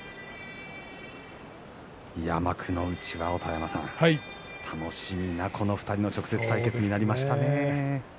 幕内は、音羽山さん楽しみなこの２人の直接対決になりましたね。